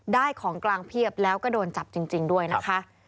ของกลางเพียบแล้วก็โดนจับจริงด้วยนะคะ